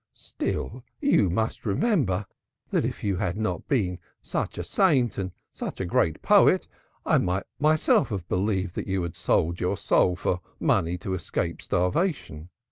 "Still, you must remember that if you had not been such a saint and such a great poet, I might myself have believed that you sold your soul for money to escape starvation.